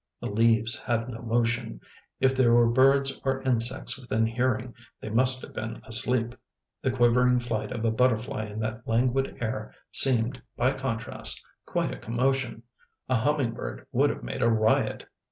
The leaves had no motion; if there were birds or insects within hearing they must have been asleep; the quivering flight of a butterfly in that languid air seemed, by contrast, quite a commotion; a humming bird would have made a riot.